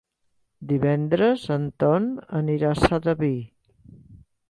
Divendres en Ton anirà a Sedaví.